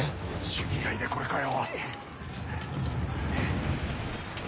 守備隊でこれかよ。